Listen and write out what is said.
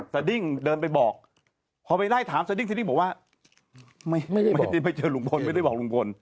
สดิ้งเดินไปบอกพอไปไล่ถามสดิ้งสดิ้งบอกว่าไม่ได้ไปเจอลุงพลไม่ได้บอกลุงพล